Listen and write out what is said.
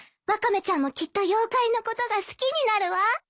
ワカメちゃんもきっと妖怪のことが好きになるわ。